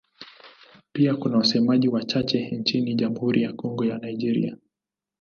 Pia kuna wasemaji wachache nchini Jamhuri ya Kongo na Nigeria.